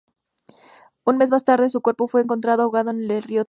Un mes más tarde su cuerpo fue encontrado ahogado en el río Támesis.